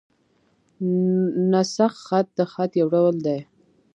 نسخ خط؛ د خط یو ډول دﺉ.